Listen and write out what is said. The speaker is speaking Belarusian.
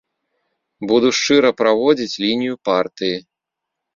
Буду шчыра праводзіць лінію партыі.